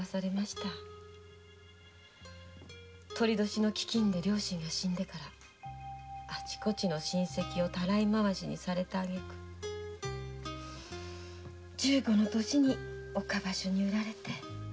酉年の凶作で両親が死んでからあちこち親戚をたらい回しされたあげく十五の年に岡場所に売られて。